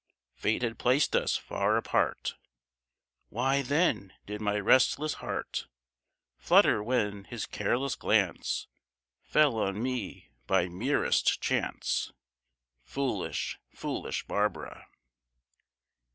Fate had placed us far apart; Why, then, did my restless heart Flutter when his careless glance Fell on me by merest chance? Foolish, foolish Barbara!